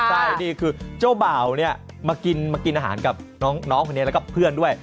ใช่นี่คือเจ้าบ่าวเนี่ยมากินมากินอาหารกับน้องคนนี้แล้วก็เพื่อนด้วย